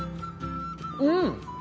うん！